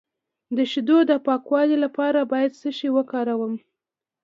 د شیدو د پاکوالي لپاره باید څه شی وکاروم؟